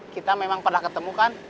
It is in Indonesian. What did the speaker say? kita memang pernah ketemu kan